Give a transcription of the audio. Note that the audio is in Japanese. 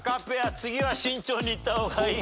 次は慎重にいった方がいいぞ。